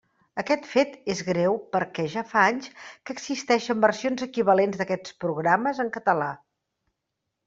Aquest fet és greu perquè ja fa anys que existeixen versions equivalents d'aquests programes en català.